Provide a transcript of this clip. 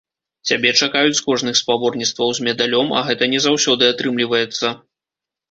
Цябе чакаюць з кожных спаборніцтваў з медалём, а гэта не заўсёды атрымліваецца.